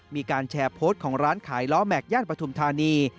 มีการแชร์โพสต์ของร้านขายล้อแม็กซย่านปฐุมธานี